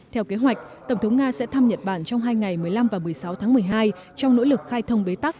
theo kế hoạch tổng thống nga sẽ thăm nhật bản trong hai ngày một mươi năm và một mươi sáu tháng một mươi hai trong nỗ lực khai thông bế tắc